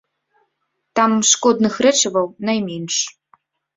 Там шкодных рэчываў найменш.